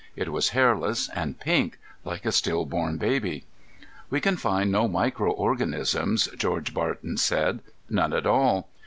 It was hairless and pink, like a still born baby. "We can find no micro organisms," George Barton said. "None at all.